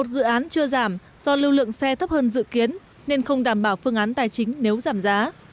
một dự án chưa giảm do lưu lượng xe thấp hơn dự kiến nên không đảm bảo phương án tài chính nếu giảm giá